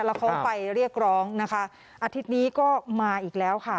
แล้วเขาไปเรียกร้องนะคะอาทิตย์นี้ก็มาอีกแล้วค่ะ